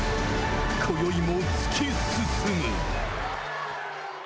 こよいも突き進む。